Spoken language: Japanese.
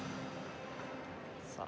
さあ